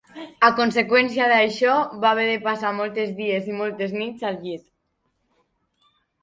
A conseqüència d'això, va haver de passar molts dies i moltes nits al llit.